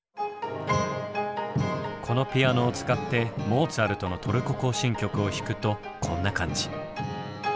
このピアノを使ってモーツァルトの「トルコ行進曲」を弾くとこんな感じ。